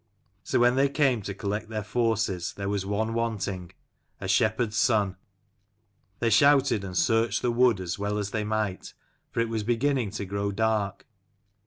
So when they came to collect their forces there was one wanting, a. shepherd's son. They shouted and searched the wood as well as they might, for it was beginning to grow dark.